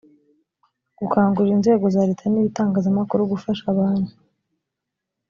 gukangurira inzego za leta n ibitangazamakuru gufasha abantu